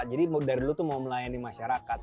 jadi dari dulu tuh mau melayani masyarakat